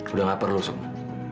udah gak perlu sukma